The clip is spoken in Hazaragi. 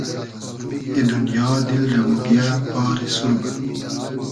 ای دونیا، دیل رۂ موگیۂ باری سوربۂ